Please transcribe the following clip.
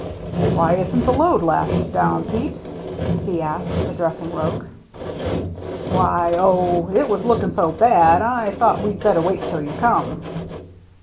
" Why isn't the load lashed down, Pete ?" he asked, addressing Roche. " Why — oh, it was lookin* so bad, I thought we'd better wait till you come."